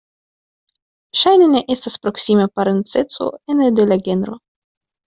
Ŝajne ne estas proksima parenceco ene de la genro.